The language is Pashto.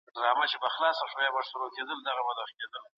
د بوختیا یوه لاره د ازادۍ شعار دی.